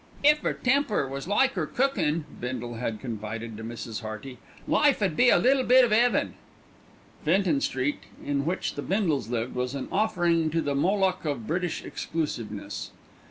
"If 'er temper was like 'er cookin'," Bindle had confided to Mrs. Hearty, "life 'ud be a little bit of 'eaven." Fenton Street, in which the Bindles lived, was an offering to the Moloch of British exclusiveness.